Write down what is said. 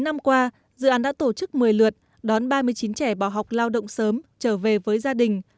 chín năm qua dự án đã tổ chức một mươi lượt đón ba mươi chín trẻ bỏ học lao động sớm trở về với gia đình